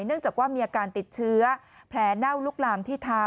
เนื่องจากว่ามีอาการติดเชื้อแผลเน่าลุกลามที่เท้า